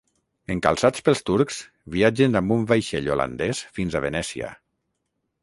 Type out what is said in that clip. Encalçats pels turcs, viatgen amb un vaixell holandès fins a Venècia.